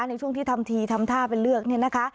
ในช่วงที่ทำทีทำท่าเป็นเลือกเนี่ยนะคะ